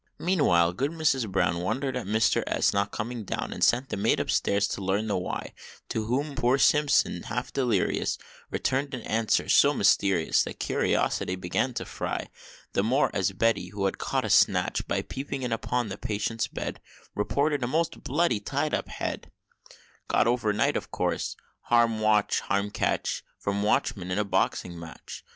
Meanwhile, good Mrs. Brown Wondered at Mr. S. not coming down, And sent the maid up stairs to learn the why; To whom poor Simpson, half delirious, Returned an answer so mysterious That curiosity began to fry; The more, as Betty, who had caught a snatch By peeping in upon the patient's bed, Reported a most bloody, tied up head, Got over night of course "Harm watch, harm catch," From Watchmen in a boxing match.